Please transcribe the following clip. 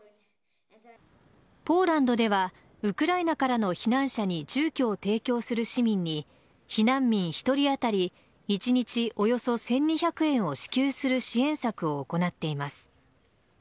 ポーランドではウクライナからの避難者に住居を提供する市民に避難民１人当たり一日およそ１２００円を支給する支援策を行っています。